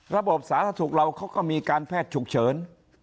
ระบบสาธารณสุขเราเขาก็มีการแพทย์ฉุกเฉิน